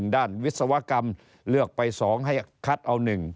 ด้านวิศวกรรมเลือกไป๒ให้คัดเอา๑